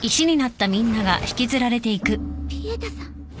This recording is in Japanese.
ピエタさん。